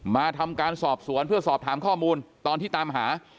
มาทำการสอบสวนเพื่อสอบถามข้อมูลตอนที่ตามหา